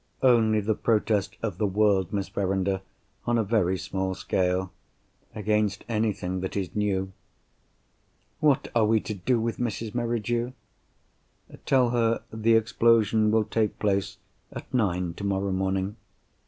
"Only the protest of the world, Miss Verinder—on a very small scale—against anything that is new." "What are we to do with Mrs. Merridew?" "Tell her the explosion will take place at nine tomorrow morning."